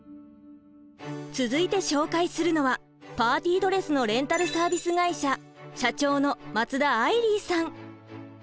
続いて紹介するのはパーティードレスのレンタル・サービス会社社長の松田愛里さん。